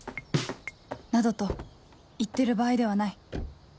などと言ってる場合ではない